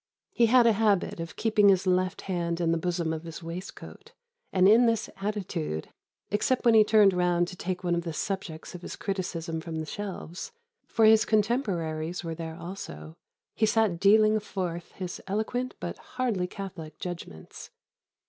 He had a habit of keeping his left hand in the bosom of his waistcoat; and in this attitude, except when he turned round to take one of the subjects of his criticism from the shelves (for his contemporaries were there also), he sat dealing forth his eloquent but hardly catholic judgments....